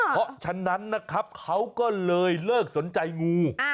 เพราะฉะนั้นนะครับเขาก็เลยเลิกสนใจงู